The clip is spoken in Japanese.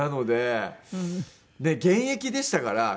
で現役でしたから。